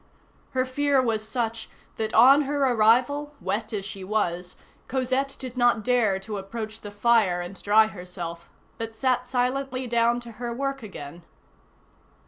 Her fear was such, that on her arrival, wet as she was, Cosette did not dare to approach the fire and dry herself, but sat silently down to her work again.